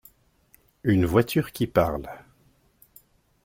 Une voiture qui parle.